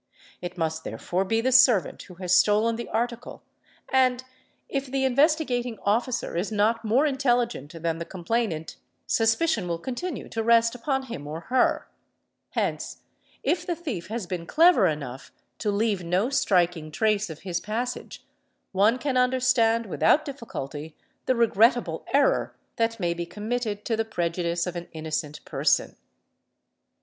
It must therefore be the servant who has stolen the article and, if the Investigating Officer is not more inielligent than the i complainant, suspicion will continue to rest upon him or her; hence, if the thief has been clever enough to leave no striking trace of his passage, one can understand without difficulty the regrettable error that may be 58 ARN) 1) 1S) AMA RS SUAS Es Sika committed to the prejudice of an innocent person.